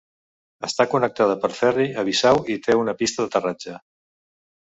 Està connectada per ferri a Bissau i té una pista d'aterratge.